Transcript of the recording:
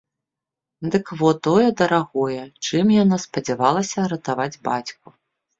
Дык во тое дарагое, чым яна спадзявалася ратаваць бацьку!